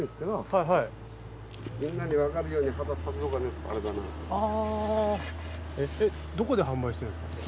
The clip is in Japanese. どこで販売してるんですか